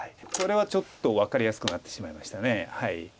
これはちょっと分かりやすくなってしまいました。